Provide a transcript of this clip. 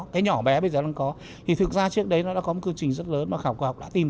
cái nhỏ bé bây giờ đang có thì thực ra trước đấy nó đã có một cơ trình rất lớn mà khảo học đã tìm ra